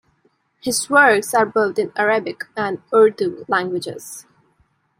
His works are both in Arabic and Urdu languages.